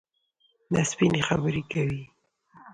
دا سپيني خبري کوي.